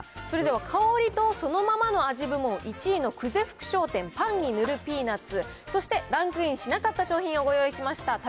それでは、香りとそのままの味部門１位の久世福商店、パンに塗るピーナッツ、そして、ランクインしなかった商品をご用意しました。